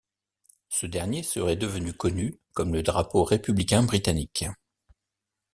Ce dernier serait devenu connu comme le drapeau républicain britannique.